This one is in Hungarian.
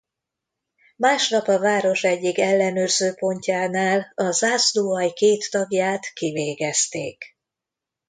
Másnap a város egyik ellenőrző pontjánál a zászlóalj két tagját kivégezték.